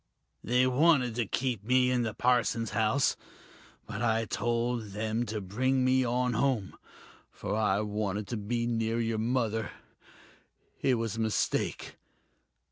They wanted to keep me in the parson's house but I told them to bring me on home, for I wanted to be near your mother. It was a mistake